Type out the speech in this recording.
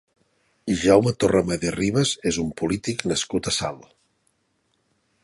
Jaume Torramadé Ribas és un polític nascut a Salt.